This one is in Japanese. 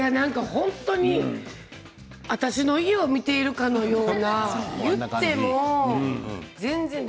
本当に私の家を見ているかのような言っても全然。